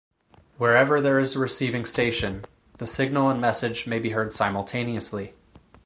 Wherever there is a receiving station the signal and message may be heard simultaneously.